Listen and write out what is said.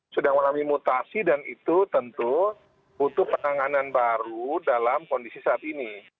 sudah mengalami mutasi dan itu tentu butuh penanganan baru dalam kondisi saat ini